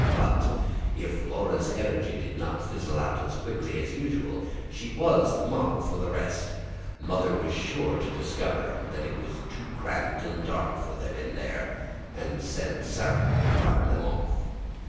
But if Laura's energy did not fizzle out as quickly as usual she was the model for the rest Mother was sure to discover that it was too cramped and dark for them in there, and send Sarah to drive them off.